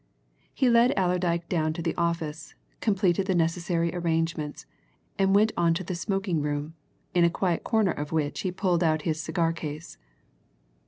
He led Allerdyke down to the office, completed the necessary arrangements, and went on to the smoking room, in a quiet corner of which he pulled out his cigar case.